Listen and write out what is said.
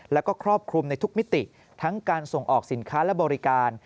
แล้วก็ครอบคลุมในทุกมิติทั้งการส่งออกสินค้าและบริการ